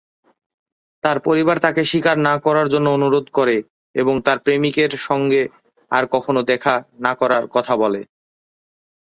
তার পরিবার তাকে স্বীকার না করার জন্য অনুরোধ করে এবং তার প্রেমিকের সঙ্গে আর কখনও দেখা না করার কথা বলে।